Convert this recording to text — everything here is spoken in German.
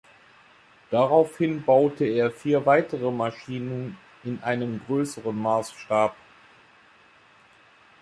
Daraufhin baute er vier weitere Maschinen in einem größeren Maßstab.